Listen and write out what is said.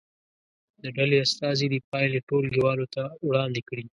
د ډلې استازي دې پایلې ټولګي والو ته وړاندې کړي.